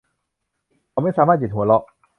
เขาไม่สามารถหยุดหัวเราะ